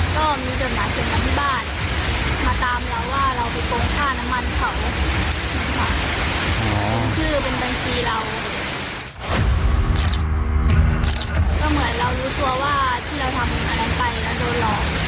ก็เหมือนเรารู้ตัวว่าที่เราทำอะไรไปแล้วโดนหลอก